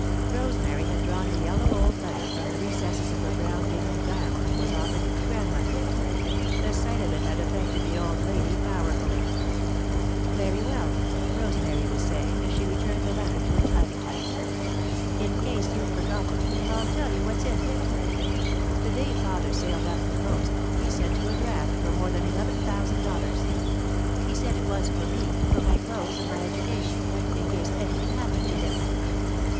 Rosemary had drawn a yellow old letter from the recesses of her brown gingham gown and was offering it to Grandmother. The sight of it had affected the old lady powerfully. [Sidenote: The Money] "Very well," Rosemary was saying, as she returned the letter to its hiding place. "In case you've forgotten, I'll tell you what's in it. The day father sailed up the coast, he sent you a draft for more than eleven thousand dollars. He said it was for me for my clothes and my education, in case anything happened to him.